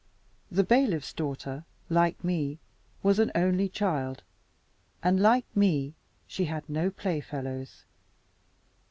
The bailiff's daughter, like me, was an only child; and, like me, she had no playfellows.